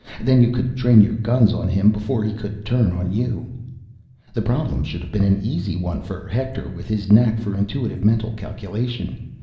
Then you could train your guns on him before he could turn on you. The problem should have been an easy one for Hector, with his knack for intuitive mental calculation.